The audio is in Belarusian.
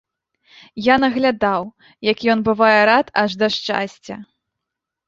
Я наглядаў, як ён бывае рад аж да шчасця.